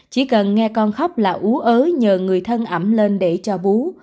chỉ cần nghe con khóc là ú nhờ người thân ẩm lên để cho bú